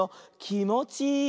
「きもちいい」！